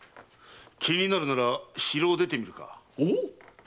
気になるなら城を出てみるか？